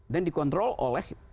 dan dikontrol oleh